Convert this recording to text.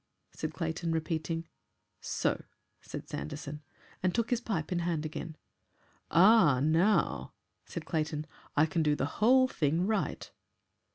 said Clayton, repeating. "So," said Sanderson, and took his pipe in hand again. "Ah, NOW," said Clayton, "I can do the whole thing right."